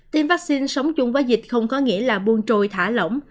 tiêm vaccine sống chung với dịch không có nghĩa là buôn trồi thả lỏng